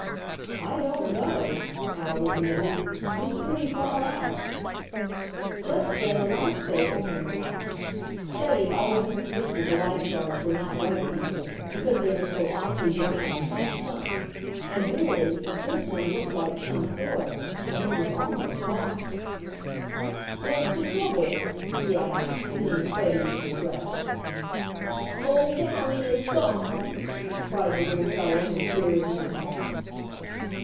"I don't know," Hal admitted. "He's pretty far out." Just then a life saver came along. Freddie always insisted the life guards were not white people, because they were so awfully browned from the sun, and really, this one looked like some foreigner, for he was almost black. "What's the trouble?" he asked, seeing Freddie's distress. "Oh, Downy is gone!" cried the little fellow in tears now.